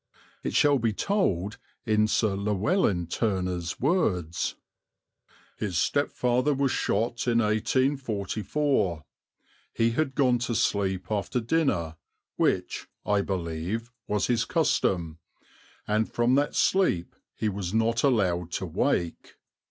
It shall be told in Sir Llewelyn Turner's words: "His stepfather was shot in 1844. He had gone to sleep after dinner, which, I believe, was his custom, and from that sleep he was not allowed to wake.